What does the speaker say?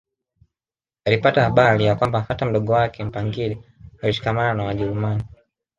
Alipata habari ya kwamba hata mdogo wake Mpangile alishikamana na Wajerumani